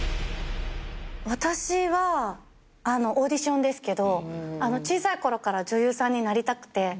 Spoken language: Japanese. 私はオーディションですけど小さいころから女優さんになりたくて。